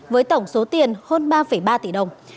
với tổng số tiền hơn ba ba tỷ đồng